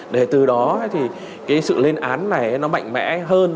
để từ đó thì cái sự lên án này nó mạnh mẽ hơn